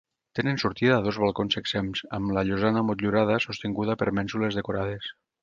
Tenen sortida a dos balcons exempts, amb la llosana motllurada sostinguda per mènsules decorades.